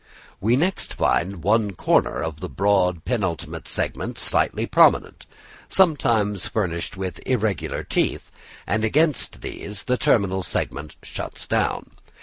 We next find one corner of the broad penultimate segment slightly prominent, sometimes furnished with irregular teeth, and against these the terminal segment shuts down.